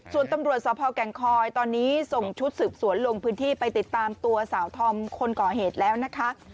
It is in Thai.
ส่วนตำรวจสพแก่งคอยตอนนี้ส่งชุดสืบสวนลงพื้นที่ไปติดตามตัวสาวธอมคนก่อเหตุแล้วนะคะ